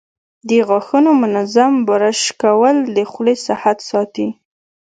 د غاښونو منظم برش کول د خولې صحت ساتي.